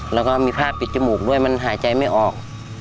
แล้วก็มีผ้าปิดจมูกด้วยมันหายใจไม่ออก